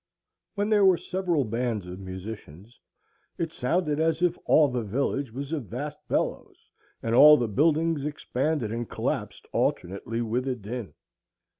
When there were several bands of musicians, it sounded as if all the village was a vast bellows, and all the buildings expanded and collapsed alternately with a din.